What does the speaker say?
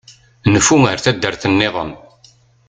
Nfu ar taddart-nniḍen.